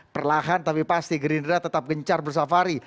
perlahan tapi pasti gerindra tetap gencar bersafari